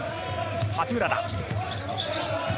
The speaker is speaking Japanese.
八村だ。